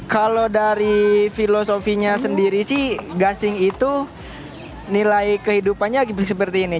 kalau dari filosofinya sendiri sih gasing itu nilai kehidupannya seperti ini